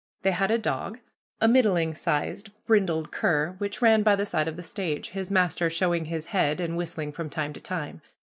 They had a dog, a middling sized brindled cur, which ran by the side of the stage, his master showing his head and whistling from time to time.